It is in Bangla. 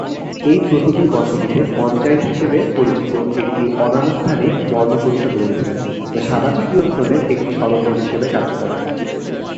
এই প্রতিটি বসতিতে পঞ্চায়েত হিসাবে পরিচিত একটি অনানুষ্ঠানিক বর্ণ পরিষদ রয়েছে, যা সামাজিক নিয়ন্ত্রণের একটি সরঞ্জাম হিসাবে কাজ করে।